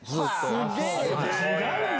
すげぇな！